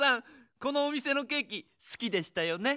このお店のケーキ好きでしたよね？